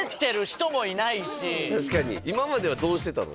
確かに今まではどうしてたの？